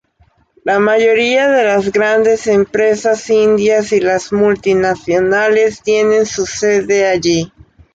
La mayoría de las grandes empresas indias y las multinacionales tienen su sede allí.